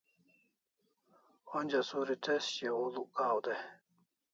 Onja suri tez shiaw huluk kaw day